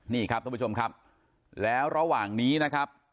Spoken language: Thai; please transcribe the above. นี่ครับท่านผู้ชมครับแล้วระหว่างนี้นะครับ